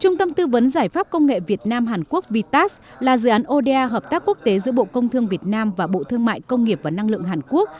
trung tâm tư vấn giải pháp công nghệ việt nam hàn quốc vitas là dự án oda hợp tác quốc tế giữa bộ công thương việt nam và bộ thương mại công nghiệp và năng lượng hàn quốc